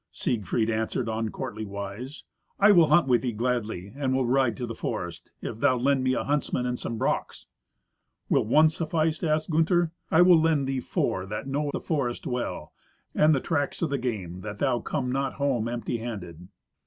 Siegfried answered on courtly wise, "I will hunt with thee gladly, and will ride to the forest, if thou lend me a huntsman and some brachs." "Will one suffice?" asked Gunther. "I will lend thee four that know the forest well, and the tracks of the game, that thou come not home empty handed."